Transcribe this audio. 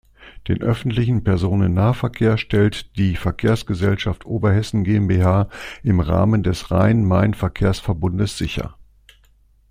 Den öffentlichen Personennahverkehr stellt die Verkehrsgesellschaft Oberhessen GmbH im Rahmen des Rhein-Main-Verkehrsverbundes sicher.